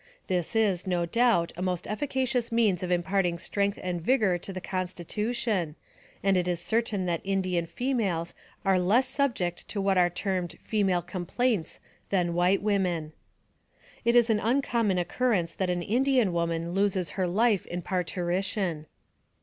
This is, no doubt, a most efficacious means of im parting strength and vigor to the constitution, and it is certain that Indian females are less subject to what are termed female complaints than white women. It is an uncommon occurrence that an Indian woman loses her life in parturition.